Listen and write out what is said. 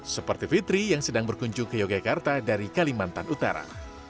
seperti fitri yang sedang berkunjung ke yogyakarta dari kalimantan utara